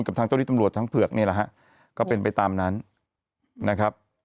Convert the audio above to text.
ทางเจ้าที่ตำรวจทางเผือกนี่แหละฮะก็เป็นไปตามนั้นนะครับ